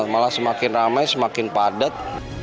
malah semakin ramai semakin padat